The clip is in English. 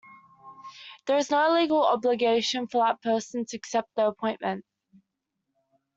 There is no legal obligation for that person to accept the appointment.